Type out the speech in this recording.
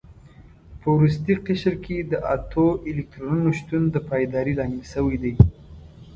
په وروستي قشر کې د اتو الکترونونو شتون د پایداري لامل شوی دی.